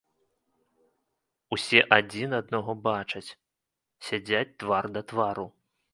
Усе адзін аднаго бачаць, сядзяць твар да твару.